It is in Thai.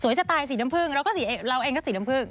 สวยสตายสีน้ำพื้งเราเองก็สีน้ำพื้ง